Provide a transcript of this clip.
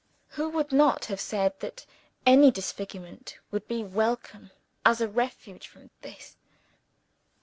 Who would not have said that any disfigurement would be welcome as a refuge from this?